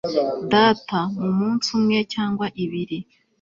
data, mumunsi umwe cyangwa ibiri